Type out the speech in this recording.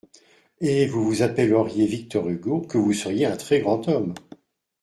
Et vous vous appelleriez Victor Hugo, que vous seriez un très grand homme…